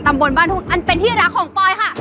ตำบลบ้านทุนอันเป็นธิรักของปลอยค่ะ